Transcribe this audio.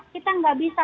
kita tidak bisa